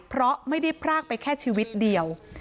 เพราะไม่ได้พรากไปแค่ชีวิตเดียว